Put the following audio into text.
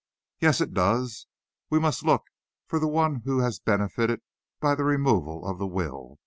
"Yes, it does. We must look for the one who has benefited by the removal of the will.